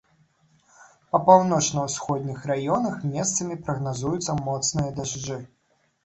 Па паўночна-ўсходніх раёнах месцамі прагназуюцца моцныя дажджы.